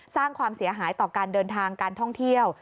สร้างความเสียหายต่อการเดินทางการท่องเที่ยว